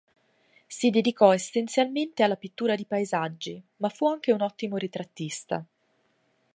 Si dedicò essenzialmente alla pittura di paesaggi, ma fu anche un ottimo ritrattista.